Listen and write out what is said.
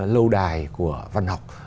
lâu đài của văn học